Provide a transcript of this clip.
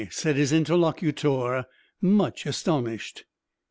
said his interlocutor, much astonished.